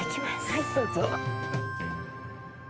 はいどうぞ。